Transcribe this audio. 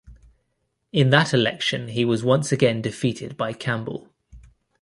In that election he was once again defeated by Campbell.